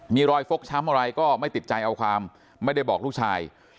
มีรอยฟกช้ำอะไรก็ไม่ติดใจเอาความไม่ได้บอกลูกชาย